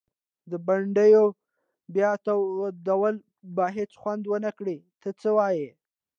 د بنډیو بیا تودول به هيڅ خوند ونکړي ته څه وايي؟